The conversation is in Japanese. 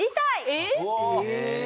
えっ！